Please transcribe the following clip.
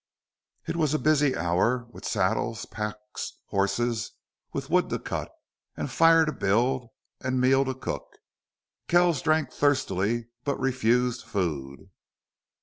It was a busy hour with saddles, packs, horses, with wood to cut and fire to build and meal to cook. Kells drank thirstily, but refused food.